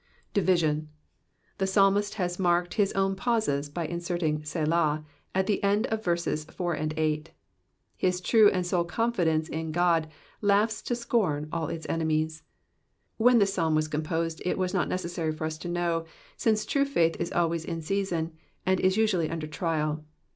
DivreioN. — The Psalmist has marked his own pauses, by inserting Selah at the end of verses 4 arui 8. Ifis true and sole confidence in Ood laughs to scorn aU Us enemies. When this Psalm was composed it was not necessary for us to know, since true faith is always in season, and is usually under trial.